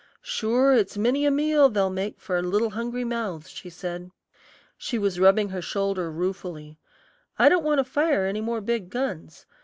"Sure, it's many a meal they'll make for little hungry mouths," she said. She was rubbing her shoulder ruefully. "I don't want to fire any more big guns.